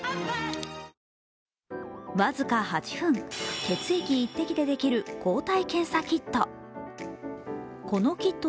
僅か８分、血液１滴で検査できる抗体検査キット。